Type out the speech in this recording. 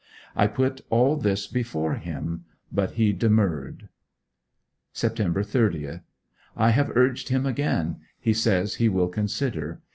I put all this before him; but he demurred. Sept. 30. I have urged him again. He says he will consider.